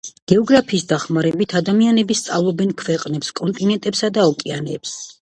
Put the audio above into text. გეოგრაფიის დახმარებით ადამიანები სწავლობენ ქვეყნებს, კონტინენტებსა და ოკეანეებს.